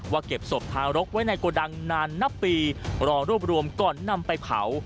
เก็บศพทารกไว้ในโกดังนานนับปีรอรวบรวมก่อนนำไปเผา